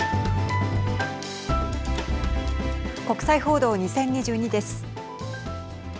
国際報道２０２２です。